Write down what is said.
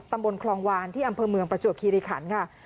ตำบลคลองวานที่อำเภอเมืองประจวบคิริขันค่ะ